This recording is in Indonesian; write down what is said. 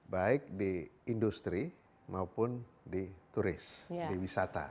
baik di industri maupun di turis di wisata